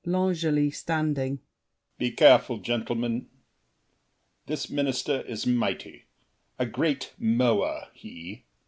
L'ANGELY (standing). Be careful, gentlemen! This minister Is mighty. A great mower, he!